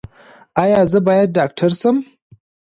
ایا زه باید ډاکټر شم؟